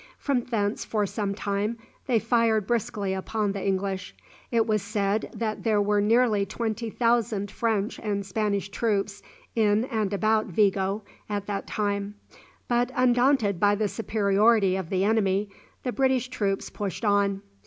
From thence, for some time, they fired briskly upon the English. It was said that there were nearly twenty thousand French and Spanish troops in and about Vigo at that time; but, undaunted by the superiority of the enemy, the British troops pushed on.